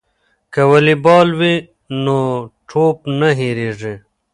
که والیبال وي نو ټوپ نه هیریږي.